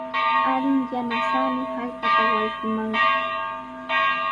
Adin yanasaami hallqapa wallkimanqa.